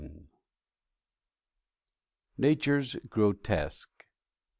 ] NATURE'S GROTESQUE.